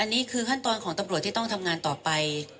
อันนี้คือขั้นตอนของตำรวจที่ต้องทำงานต่อไป